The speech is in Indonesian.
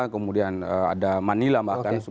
kemudian ada manila bahkan